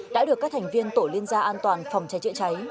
đã được các thành viên tổ liên gia an toàn phòng cháy chữa cháy